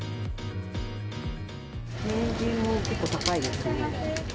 ニンジンも結構高いですね。